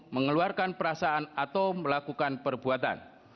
mengeluarkan perasaan atau melakukan perbuatan